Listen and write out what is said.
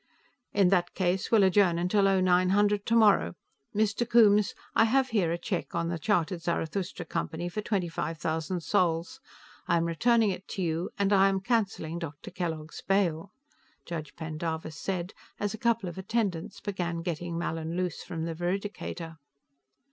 "In that case, we'll adjourn until o nine hundred tomorrow. Mr. Coombes, I have here a check on the chartered Zarathustra Company for twenty five thousand sols. I am returning it to you and I am canceling Dr. Kellogg's bail," Judge Pendarvis said, as a couple of attendants began getting Mallin loose from the veridicator.